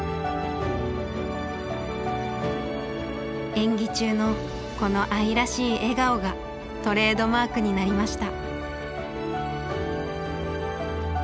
演技中のこの愛らしい笑顔がトレードマークになりました。